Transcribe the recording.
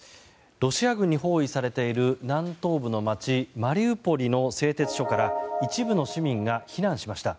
ロシア軍に包囲されている南東部の街マリウポリの製鉄所から一部の市民が避難しました。